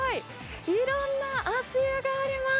いろんな足湯があります。